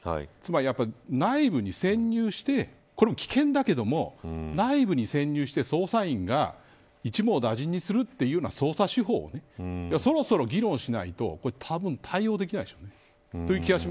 内部に潜入してこれも危険だけれども内部に潜入して捜査員が一網打尽にするというな捜査手法をそろそろ議論しないとこれたぶん対応できないでしょう。